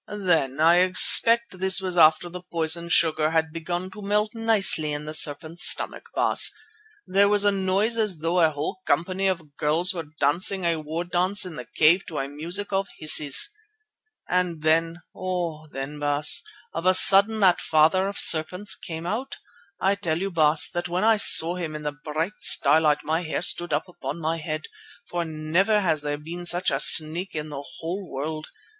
Then—I expect this was after the poison sugar had begun to melt nicely in the serpent's stomach, Baas—there was a noise as though a whole company of girls were dancing a war dance in the cave to a music of hisses. "And then—oh! then, Baas, of a sudden that Father of Serpents came out. I tell you, Baas, that when I saw him in the bright starlight my hair stood up upon my head, for never has there been such another snake in the whole world.